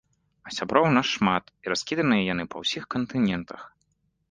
А сяброў у нас шмат, і раскіданыя яны па ўсіх кантынентах.